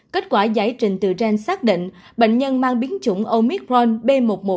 kết quả giải trình tự trên xác định bệnh nhân mang biến chủng omicron b một một năm trăm hai mươi chín